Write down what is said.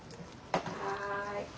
・はい。